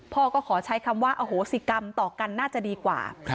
พ่อก็ขอใช้คำว่าอโหสิกรรมต่อกันน่าจะดีกว่า